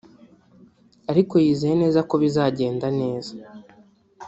ariko yizeye neza ko bizagenda neza